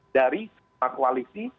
dari sebuah koalisi